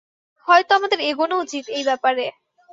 হয়তো আমাদের এগোনো উচিত এই ব্যাপারে।